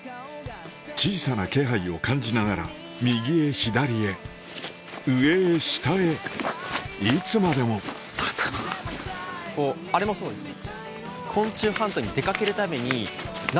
小さな気配を感じながら右へ左へ上へ下へいつまでもあれもそうですね。